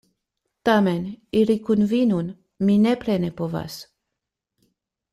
Tamen, iri kun vi nun mi nepre ne povas.